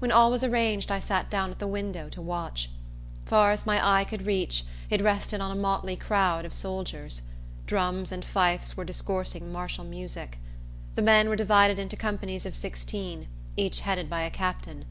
When all was arranged, I sat down at the window to watch. Far as my eye could reach, it rested on a motley crowd of soldiers. Drums and fifes were discoursing martial music. The men were divided into companies of sixteen, each headed by a captain.